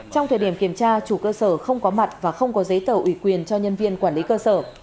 trong thời điểm kiểm tra chủ cơ sở không có mặt và không có giấy tờ ủy quyền cho nhân viên quản lý cơ sở